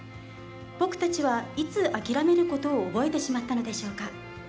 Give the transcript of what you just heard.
僕たちはいつ諦めることを覚えてしまったのでしょうか。